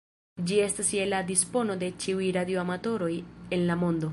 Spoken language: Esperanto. Ĝi estas je la dispono de ĉiuj radioamatoroj en la mondo.